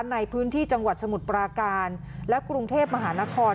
ในพื้นที่จังหวัดสมุทรปราการและกรุงเทพมหานคร